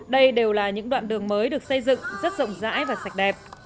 đây đều là những đoạn đường mới được xây dựng rất rộng rãi và sạch đẹp